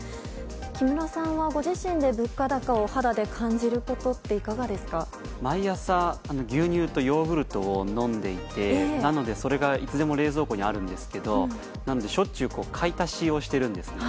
木村さんは、ご自身で物価高を肌で感じることって毎朝、牛乳とヨーグルトを飲んでいましてなので、それがいつでも冷蔵庫にあるんですがしょっちゅう買い足しをしてるんですね。